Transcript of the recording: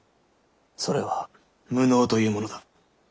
それは無能というものだ。